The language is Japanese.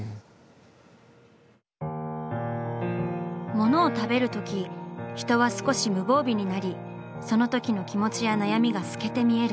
「物を食べるとき人は少し無防備になりそのときの気持ちや悩みが透けて見える」。